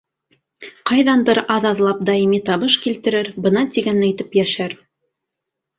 Ҡайҙандыр аҙ-аҙлап даими табыш килтерер, бына тигән итеп йәшәр.